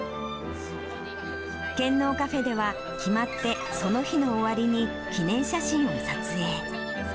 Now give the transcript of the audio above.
健脳カフェでは、決まってその日の終わりに記念写真を撮影。